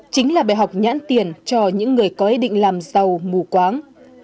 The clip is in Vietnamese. chính là bài học nhãn tiền cho những người có ý định làm giàu mù quáng